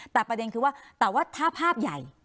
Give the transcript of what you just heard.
แต่ประเด็นคือว่าแต่ว่าถ้าภาพใหญ่